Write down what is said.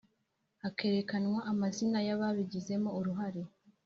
hakerekanwa amazina yababigizemo uruhare